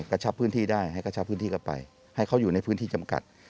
กระชับพื้นที่ได้ให้กระชับพื้นที่กลับไปให้เขาอยู่ในพื้นที่จำกัด